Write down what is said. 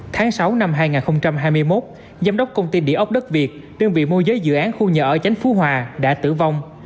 tháng sáu năm hai nghìn hai mươi một giám đốc công ty địa ốc đất việt đơn vị môi giới dự án khu nhà ở chánh phú hòa đã tử vong